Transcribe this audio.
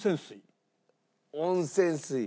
温泉水。